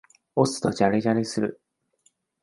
押すとジャリジャリする。